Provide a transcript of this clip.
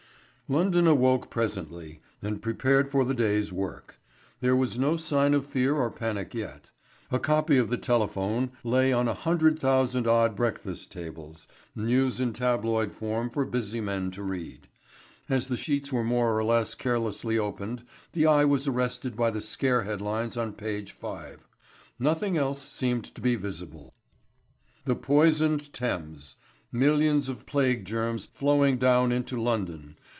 London awoke presently and prepared for the day's work. There was no sign of fear or panic yet. A copy of the Telephone lay on a hundred thousand odd breakfast tables, news in tabloid form for busy men to read. As the sheets were more or less carelessly opened the eye was arrested by the scare heads on page 5. Nothing else seemed to be visible: THE POISONED THAMES Millions of plague germs flowing down into London.